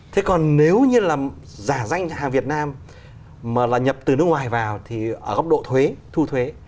thế còn nếu như là giả danh hàng việt nam mà là nhập từ nước ngoài vào thì ở góc độ thuế thu thuế